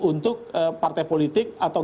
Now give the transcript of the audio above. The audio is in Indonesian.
untuk partai politik atau